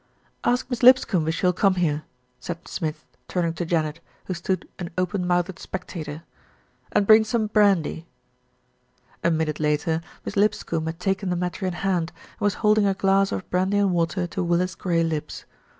"Ask Miss Lipscombe if she will come here," said 286 LITTLE BILSTEAD ACHES WITH DRAMA 287 Smith, turning to Janet, who stood an open mouthed spectator, "and bring some brandy." A minute later, Miss Lipscombe had taken the mat ter in hand, and was holding a glass of brandy and water to Willis' grey lips.